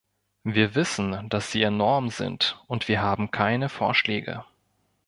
Wir wissen, dass sie enorm sind, und wir haben keine Vorschläge.